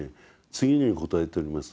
次のように答えております。